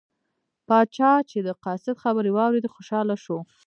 پاچا چې د قاصد خبرې واوریدې خوشحاله شو.